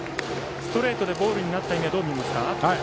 ストレートでボールになったのはどう見ますか。